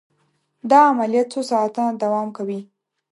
دا عملیه څو ساعته دوام کوي.